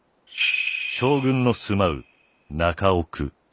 将軍の住まう中奥。